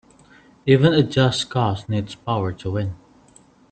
Even a just cause needs power to win.